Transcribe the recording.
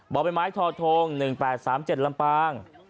บ่อใบไม้ทอทง๑๘๓๗ลำปาง